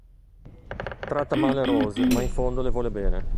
Tratta male Rose ma in fondo le vuole bene.